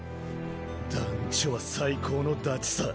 団ちょは最高のダチさ。